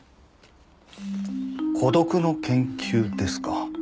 『孤独の研究』ですか。